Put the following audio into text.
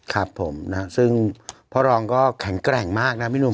ครับผมนะซึ่งพ่อรองก็แข็งแกร่งมากนะพี่หนุ่ม